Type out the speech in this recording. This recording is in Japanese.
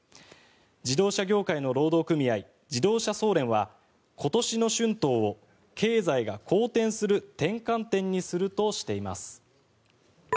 自動車業界の労働組合自動車総連は今年の春闘を経済が好転する転換点にするとしています。